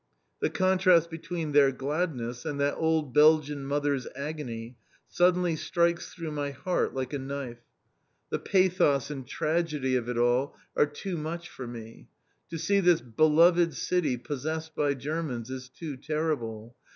The contrast between their gladness, and that old Belgian mother's agony, suddenly strikes through my heart like a knife. The pathos and tragedy of it all are too much for me. To see this beloved city possessed by Germans is too terrible.